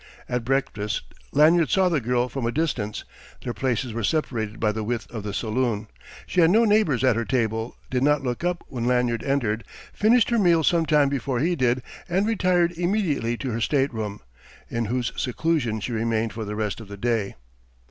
At breakfast Lanyard saw the girl from a distance: their places were separated by the width of the saloon. She had no neighbours at her table, did not look up when Lanyard entered, finished her meal some time before he did, and retired immediately to her stateroom, in whose seclusion she remained for the rest of the day.